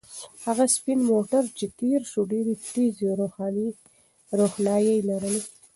هغه سپین موټر چې تېر شو ډېرې تیزې روښنایۍ لرلې.